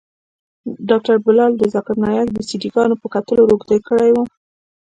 ډاکتر بلال د ذاکر نايک د سي ډي ګانو په کتلو روږدى کړى وم.